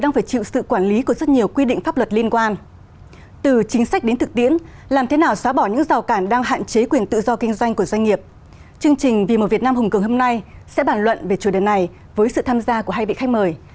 nam hùng cường hôm nay sẽ bàn luận về chủ đề này với sự tham gia của hai vị khách mời